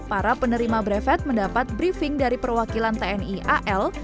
para penerima brevet mendapat briefing dari perwakilan tni al